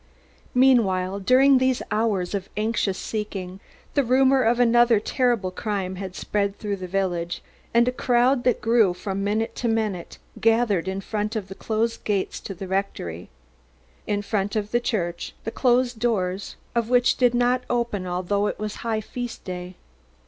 Meanwhile, during these hours of anxious seeking, the rumour of another terrible crime had spread through the village, and a crowd that grew from minute to minute gathered in front of the closed gates to the rectory, in front of the church, the closed doors of which did not open although it was a high feast day.